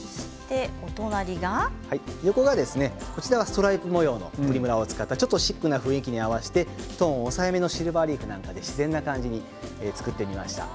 横がストライプ模様のプリムラを使ったちょっとシックな雰囲気に合わせてトーンを抑えめのシルバーリーフで作って自然な感じ作ってみました。